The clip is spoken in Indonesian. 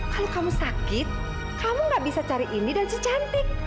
kalau kamu sakit kamu nggak bisa cari ini dan si cantik